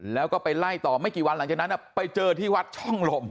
แล้วก็ไปไล่ต่อไม่กี่วันหลังจากนั้นไปเจอที่วัดช่องลม